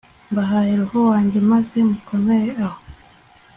mbahaye roho wanjye maze mukomere, aho